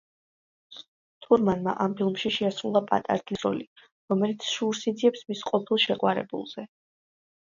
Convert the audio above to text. თურმანმა ამ ფილმში შეასრულა პატარძლის როლი, რომელიც შურს იძიებს მის ყოფილ შეყვარებულზე.